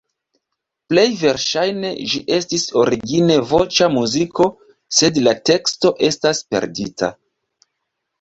Plej verŝajne ĝi estis origine voĉa muziko, sed la teksto estas perdita.